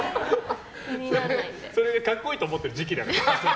それが格好いいと思ってる時期だから。